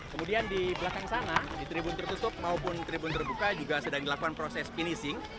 kemudian di belakang sana di tribun tertutup maupun tribun terbuka juga sedang dilakukan proses finishing